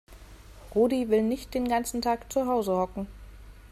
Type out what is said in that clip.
Rudi will nicht den ganzen Tag zu Hause hocken.